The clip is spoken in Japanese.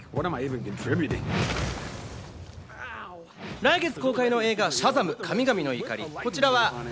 来月公開の映画『シャザム！神々の怒り』。